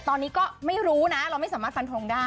ตอนนี้ก็ไม่รู้นะเราไม่สามารถฟันทงได้